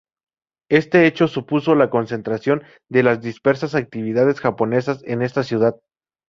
Este hecho supuso la concentración de las dispersas actividades japonesas en esta ciudad.